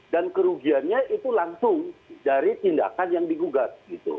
dan kerugiannya itu langsung dari tindakan yang digugat